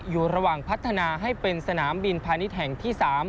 อยู่ระหว่างพัฒนาให้เป็นสนามบินพาณิชย์แห่งที่๓